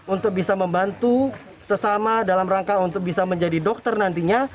untuk bisa membantu sesama dalam rangka untuk bisa menjadi dokter nantinya